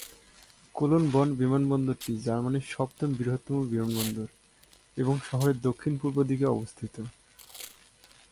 Colon Bonn বিমানবন্দরটি জার্মানির সপ্তম বৃহত্তম বিমানবন্দর এবং শহরের দক্ষিণ-পূর্ব দিকে অবস্থিত।